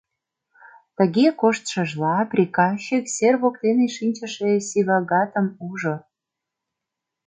Тыге коштшыжла, приказчик сер воктене шинчыше Сивагатым ужо.